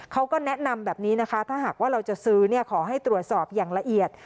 เขาก็แนะนำแบบนี้นะคะถ้าหากว่าเราจะซื้อขอให้ตรวจสอบอย่างละเอียด